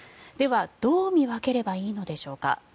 では、どう見分ければいいのでしょうか。